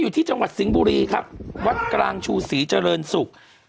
ที่จังหวัดสิงห์บุรีครับวัดกลางชูศรีเจริญศุกร์